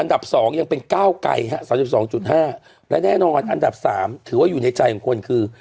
อันดับ๒ยังเป็นก้าวไกล๓๒๕และแน่นอนอันดับ๓ถือว่าอยู่ในใจของคนคือ